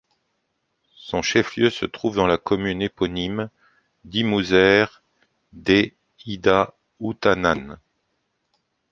Son chef-lieu se trouve dans la commune éponyme d'Imouzzer des Ida-Outanane.